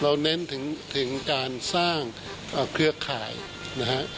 เราเน้นถึงการสร้างเครือข่ายนะครับ